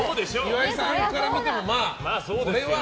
岩井さんから見てもこれは。